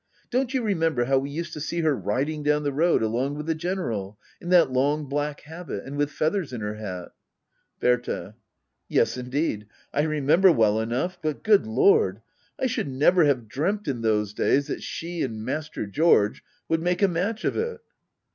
Don't you remem ber how we used to see her riding down the road along with the General ? In that long black habit — and with feathers in her hat ? Bbrta. Yes indeed — I remember well enough !— But, good Lord, I should never have dreamt in those days that she and Master George would make a match of it.